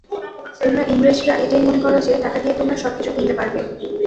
তোমরা ইংরেজরা এটাই মনে করো যে, টাকা দিয়ে তোমরা সবকিছু কিনতে পারবে?